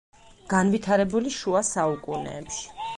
განვითარებული შუა საუკუნეებში.